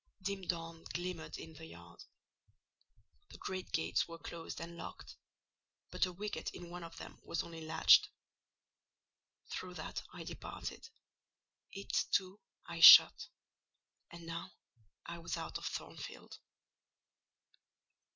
Dim dawn glimmered in the yard. The great gates were closed and locked; but a wicket in one of them was only latched. Through that I departed: it, too, I shut; and now I was out of Thornfield.